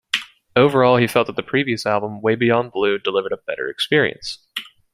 Overall, he felt that the previous album, "Way Beyond Blue" delivered a better experience.